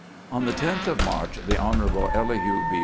" On the 10th of March the Hon. Elihu B.